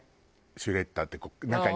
シュレッダーって中に。